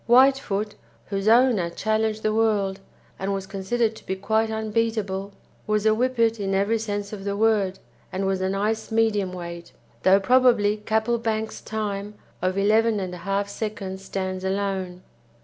Whitefoot, whose owner challenged the world, and was considered to be quite unbeatable, was a Whippet in every sense of the word, and was a nice medium weight, though probably Capplebank's time of 11 1/2 seconds stands alone.